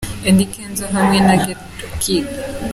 Eddy Kenzo hamwe na Gheto Kids.